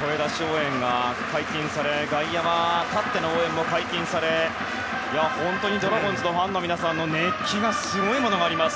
声出し応援が解禁されて外野は立っての応援も解禁され本当にドラゴンズのファンの皆さんの熱気すごいものがあります。